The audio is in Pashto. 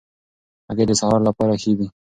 هګۍ د سهار لپاره ښې دي.